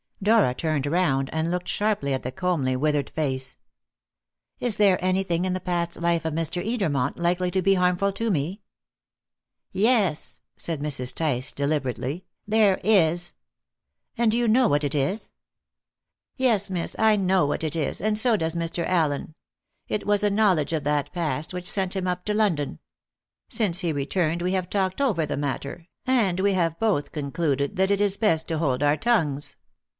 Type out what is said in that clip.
Dora turned round and looked sharply at the comely, withered face. "Is there anything in the past life of Mr. Edermont likely to be harmful to me?" "Yes," said Mrs. Tice deliberately, "there is." "And do you know what it is?" "Yes, miss; I know what it is, and so does Mr. Allen. It was a knowledge of that past which sent him up to London. Since he returned we have talked over the matter, and we have both concluded that it is best to hold our tongues.